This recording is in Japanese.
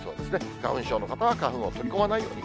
花粉症の方は花粉を取り込まないように。